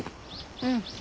うん。